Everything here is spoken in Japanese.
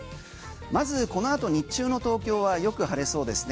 まず、このあと日中の東京はよく晴れそうですね。